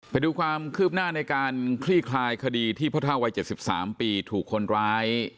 ไปดูความคืบหน้าในการคลี่คายคดีที่พศ๗๓ปีถูกคนร้าย